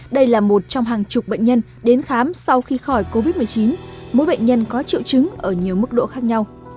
đây là một trong hàng chục bệnh nhân đến khám sau khi khỏi covid một mươi chín mỗi bệnh nhân có triệu chứng ở nhiều mức độ khác nhau